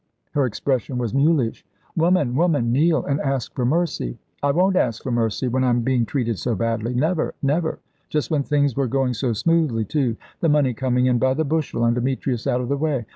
Her expression was mulish. "Woman! woman! Kneel and ask for mercy." "I won't ask for mercy when I'm being treated so badly. Never! never! Just when things were going so smoothly, too; the money coming in by the bushel, and Demetrius out of the way.